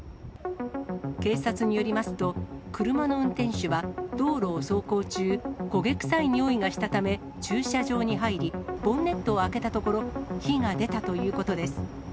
警察によりますと、車の運転手は道路を走行中、焦げ臭いにおいがしたため、駐車場に入り、ボンネットを開けたところ、火が出たということです。